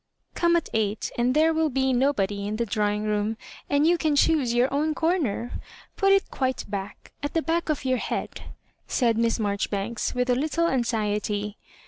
Come at eight, and there will bfe no body in the drawing room, and you can choose your own comer. Put it quite back — at the back of your head," said Miss Marjoribanks, with a little anxiety.